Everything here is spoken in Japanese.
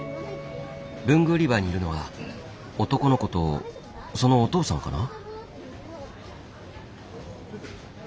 文具売り場にいるのは男の子とそのお父さんかな。